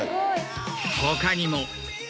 他にも。